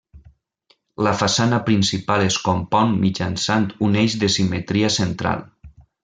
La façana principal es compon mitjançant un eix de simetria central.